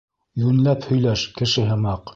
Йүнләп һөйләш, кеше һымаҡ!